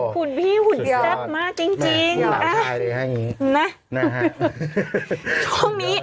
ขุนพี่ขุนแซ่บมากจริง